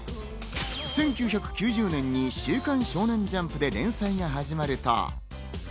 １９９０年に『週刊少年ジャンプ』で連載が始まると。